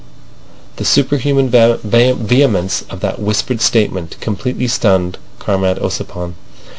The superhuman vehemence of that whispered statement completely stunned Comrade Ossipon.